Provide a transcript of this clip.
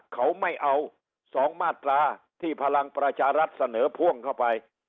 เขาไม่เอา๒มาตราที่พลังประชารัฐเสนอพ่วงเข้าไป